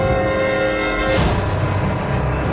โปรดติดตามตอนต่อไป